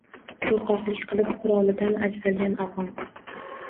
Qo’rqoqlik qilib, qurolidan ajralgan afg’on.